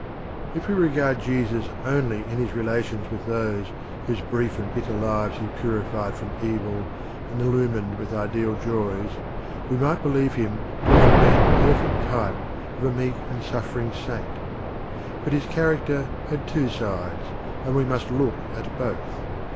If we regard Jesus only in his relations with those whose brief and bitter lives he purified from evil and illumined with ideal joys, we might believe him to have been the perfect type of a meek and suffering saint. But his character had two sides, and we must look at both.